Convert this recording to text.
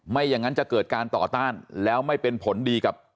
ไม่อย่างนั้นจะเกิดการต่อต้านแล้วไม่เป็นผลดีกับ